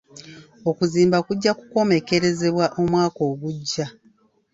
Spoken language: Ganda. Okuzimba kujja kukomekkerezebwa omwaka ogujja.